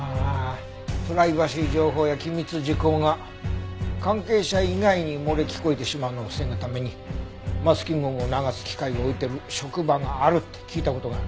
プライバシー情報や機密事項が関係者以外に漏れ聞こえてしまうのを防ぐためにマスキング音を流す機械を置いている職場があるって聞いた事がある。